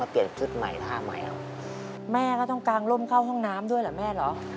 เพราะว่าลุกไม่ได้